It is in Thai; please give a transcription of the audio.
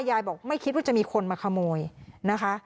ยายบอกไม่คิดว่าจะมีคนมาขโมยนะคะ